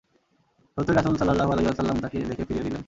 সত্যই রাসূল সাল্লাল্লাহু আলাইহি ওয়াসাল্লাম তাকে দেখে ফিরিয়ে দিলেন।